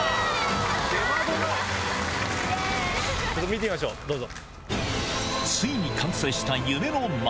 見てみましょうどうぞ。